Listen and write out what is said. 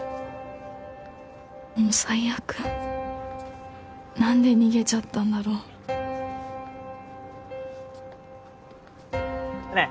もう最悪何で逃げちゃったんだろうねえ